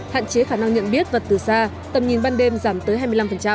hạn chế khả năng nhận biết vật từ xa tầm nhìn ban đêm giảm tới hai mươi năm